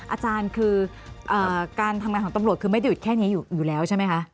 อาจารย์คือการทำงานของตำรวจคือไม่ได้หยุดแค่นี้อยู่แล้วใช่ไหมคะ